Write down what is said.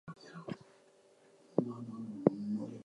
The company stagnated after World War One.